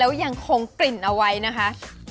แล้วยังคงกลิ่นเอาไว้นะคะ